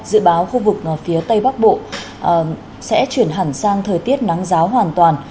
dự báo khu vực phía tây bắc bộ sẽ chuyển hẳn sang thời tiết nắng giáo hoàn toàn